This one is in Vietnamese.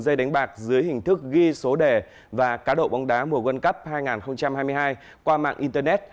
dây đánh bạc dưới hình thức ghi số đề và cá độ bóng đá mùa world cup hai nghìn hai mươi hai qua mạng internet